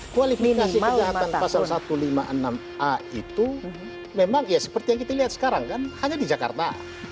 kualifikasi kejahatan pasal satu ratus lima puluh enam a itu memang ya seperti yang kita lihat sekarang kan hanya di jakarta